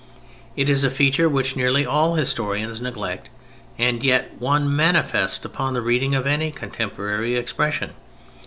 It is a feature which nearly all historians neglect and yet one manifest upon the reading of any contemporary expression.